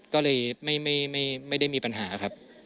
ก็เลยไม่ได้มีปัญหาครับ